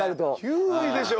９位でしょ！